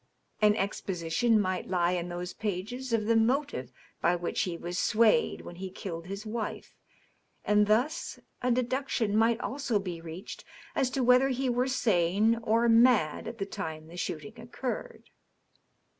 An exposition might lie in those pages of the motive by which he was swayed when he killed his wife, and thus a deduction might also be reached as to whether he were s^e or mad at the time the shooting occurred.